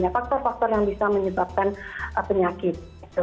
faktor faktor yang bisa menyebabkan penyakit